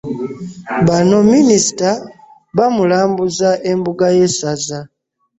Bano Minisita bamulambuzza embuga y'essaza.